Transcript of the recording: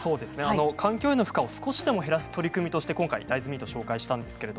環境への負荷を少しでも減らす取り組みとして今回大豆ミートをご紹介しました。